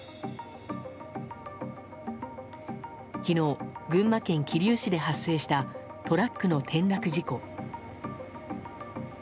昨日、群馬県桐生市で発生したトラックの転落事故。